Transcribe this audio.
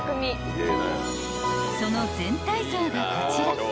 ［その全体像がこちら］